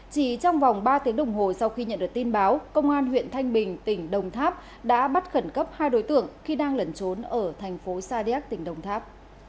chỉ trong vòng ba tiếng đồng hồ sau khi nhận được tin báo công an huyện thanh bình tỉnh đồng tháp đã bắt khẩn cấp hai đối tượng khi đang lẩn trốn ở thành phố sa điác tỉnh đồng tháp